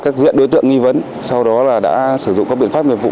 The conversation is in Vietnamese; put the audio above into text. các diện đối tượng nghi vấn sau đó là đã sử dụng các biện pháp nghiệp vụ